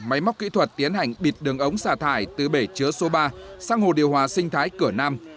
máy móc kỹ thuật tiến hành bịt đường ống xả thải từ bể chứa số ba sang hồ điều hòa sinh thái cửa nam